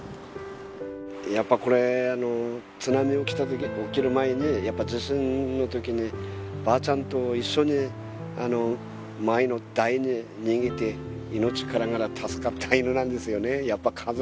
やっぱこれあの津波起きた時起きる前にやっぱ地震の時にばあちゃんと一緒に前の台に逃げて命からがら助かった犬なんですよね